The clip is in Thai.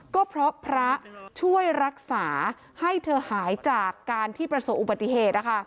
ก็เพราะพระช่วยรักษาให้เธอหายจากการที่ประสบอุบัติเหตุ